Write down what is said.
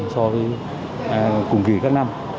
so với cùng kỳ các năm